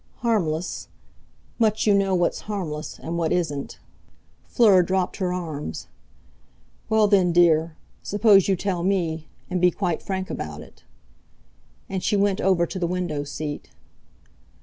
"Harmless! Much you know what's harmless and what isn't." Fleur dropped her arms. "Well, then, dear, suppose you tell me; and be quite frank about it." And she went over to the window seat.